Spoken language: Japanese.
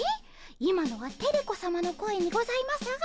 今のはテレ子さまの声にございますが。